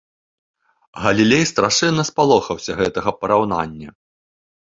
Галілей страшэнна спалохаўся гэтага параўнання.